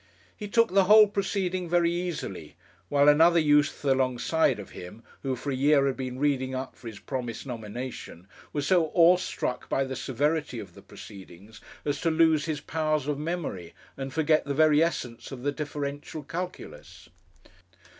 He took the whole proceeding very easily; while another youth alongside of him, who for a year had been reading up for his promised nomination, was so awe struck by the severity of the proceedings as to lose his powers of memory and forget the very essence of the differential calculus.